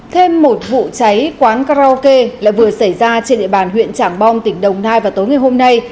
thêm một vụ cháy quán karaoke lại vừa xảy ra trên địa bàn huyện trảng bom tỉnh đồng nai vào tối ngày hôm nay